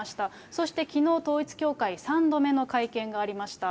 そしてきのう、統一教会３度目の会見がありました。